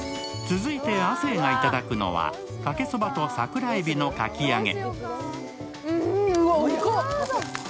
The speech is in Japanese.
続いて亜生がいただくのはかけそばと桜海老のかき揚げ。